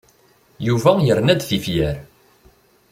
Yuba yerna-d tifyar.